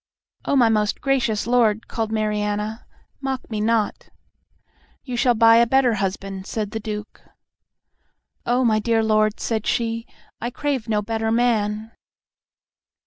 "O my most gracious lord," cried Mariana, "mock me not!" "You shall buy a better husband," said the Duke. "O my dear lord," said she, "I crave no better man."